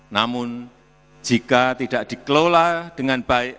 namun jika tidak dikelola dengan baik